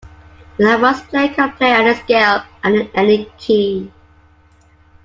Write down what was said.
An advanced player can play any scale and in any key.